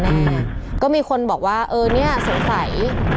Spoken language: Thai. หลายคนบอกว่าเออเนี่ยสงสัย